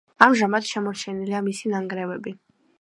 ამჟამად შემორჩენილია მისი ნანგრევები.